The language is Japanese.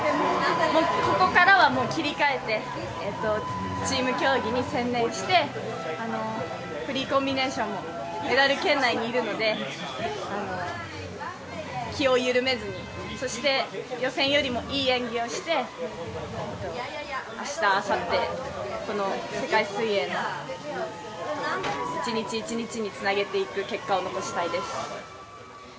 ここからは切り替えてチーム競技に専念してフリーコンビネーションもメダル圏内にいるので気を緩めずにそして予選よりもいい演技をして明日あさって世界水泳の１日１日につなげていく結果を残したいです。